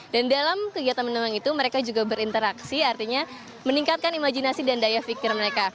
dan dalam kegiatan mendongeng itu mereka juga berinteraksi artinya meningkatkan imajinasi dan daya fikir mereka